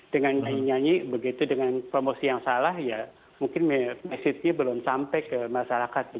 dengan nyanyi nyanyi dengan promosi yang salah mungkin mesinnya belum sampai ke masyarakat